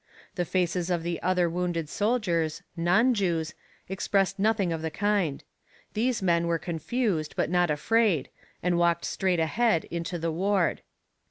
The faces of the other wounded soldiers, non Jews, expressed nothing of the kind. These men were confused, but not afraid, and walked straight ahead, into the ward.